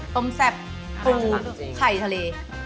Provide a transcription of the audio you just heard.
แซ่บปูไข่ทะเล